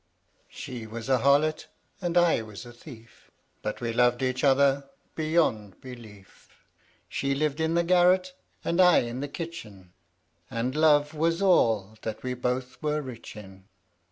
SHE was a harlot, and I was a thief : But we loved each other beyond belief : She lived in the garret, and I in the kitchen, And love was all that we both were rich in.